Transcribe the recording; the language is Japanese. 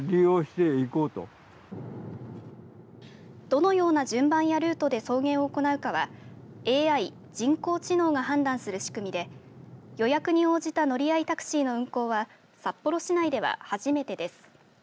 どのような順番やルートで送迎を行うかはＡＩ＝人工知能が判断する仕組みで、予約に応じた乗り合いタクシーの運行は札幌市内では初めてです。